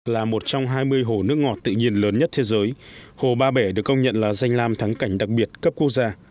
là một trong hai mươi hồ nước ngọt tự nhiên lớn nhất thế giới hồ ba bể được công nhận là danh lam thắng cảnh đặc biệt cấp quốc gia